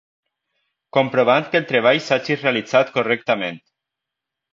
Comprovant que el treball s'hagi realitzat correctament.